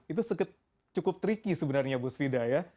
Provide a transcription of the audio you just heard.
itu cukup tricky sebenarnya bu svida ya